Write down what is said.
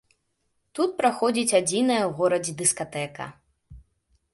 Тут праходзіць адзіная ў горадзе дыскатэка.